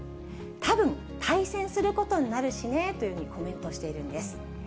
たぶん対戦することになるしねというふうにコメントしているんです。